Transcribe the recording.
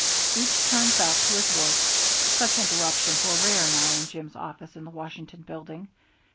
Each turned back to his work. Such interruptions were rare now in Jim's office in the Washington Building.